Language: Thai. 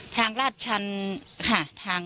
ทางลาดชันลำบาก